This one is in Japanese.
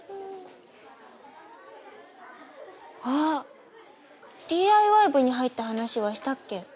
あっＤＩＹ部に入った話はしたっけ？